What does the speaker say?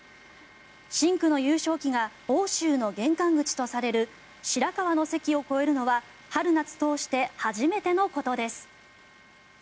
深紅の優勝旗が奥州の玄関口とされる白河の関を越えるのは春夏通して初めてのことです。